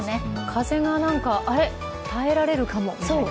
風がなんか、あれ、耐えられるかもみたいな。